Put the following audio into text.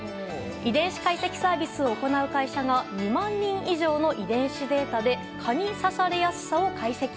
遺伝子解析サービスを行う会社が２万人以上の遺伝子データで蚊に刺されやすさを解析。